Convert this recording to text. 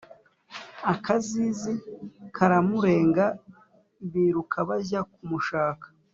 Akazizi karamurenga, biruka bajya ku mushaka,